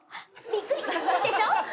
びっくりでしょ。